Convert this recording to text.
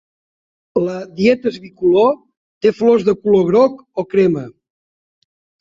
La "Dietes bicolor" té flors de color groc o crema.